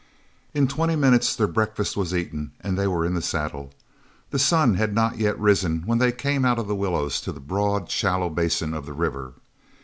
In twenty minutes their breakfast was eaten and they were in the saddle. The sun had not yet risen when they came out of the willows to the broad shallow basin of the river.